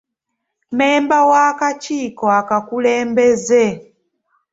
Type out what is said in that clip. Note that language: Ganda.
Mmemba w'akakiiko akakulembeze.